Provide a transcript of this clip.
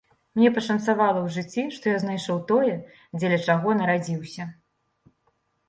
Мне пашанцавала ў жыцці, што я знайшоў тое, дзеля чаго нарадзіўся.